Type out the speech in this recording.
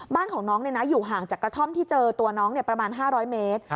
บ้านของน้องอยู่ห่างจากกระท่อมที่เจอตัวน้องประมาณ๕๐๐เมตร